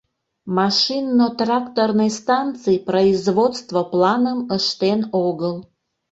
Машинно-тракторный станций производство планым ыштен огыл.